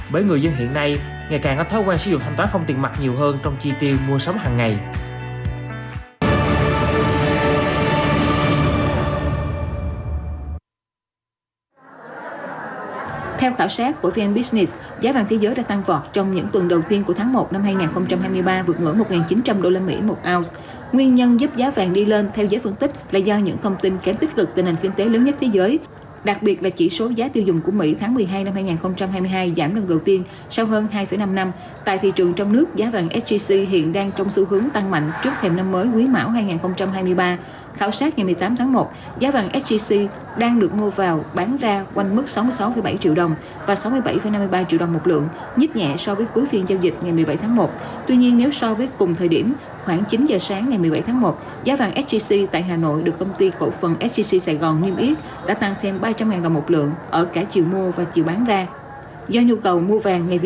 bởi người dân hiện nay ngày càng có thói quen sử dụng thanh toán không tiền mặt nhiều hơn trong chi tiêu mua sắm hằng ngày